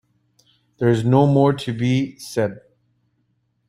Then there is no more to be said.